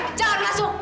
min diam jangan masuk